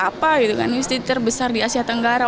apa gitu kan mesti terbesar di asia tenggara